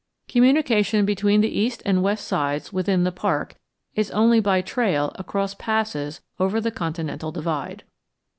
Communication between the east and west sides within the park is only by trail across passes over the continental divide.